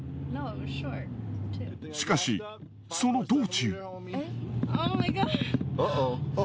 しかしその道中。